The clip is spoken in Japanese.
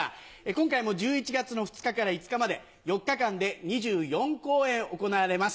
今回も１１月の２日から５日まで４日間で２４公演行われます。